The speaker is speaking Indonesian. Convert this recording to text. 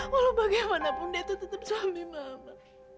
walau bagaimanapun dia itu tetap suami mama